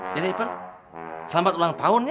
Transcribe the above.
jadi ipan selamat ulang tahun ya